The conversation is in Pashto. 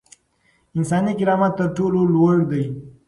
انساني کرامت تر ټولو لوړ دی.